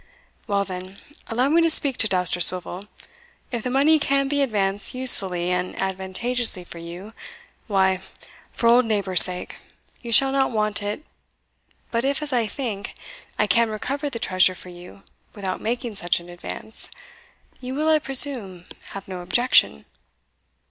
"Well, then, allow me to speak to Dousterswivel. If the money can be advanced usefully and advantageously for you, why, for old neighbourhood's sake, you shall not want it but if, as I think, I can recover the treasure for you without making such an advance, you will, I presume, have no objection!"